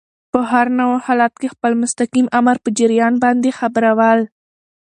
په هر نوع حالت کي خپل مستقیم آمر په جریان باندي خبرول.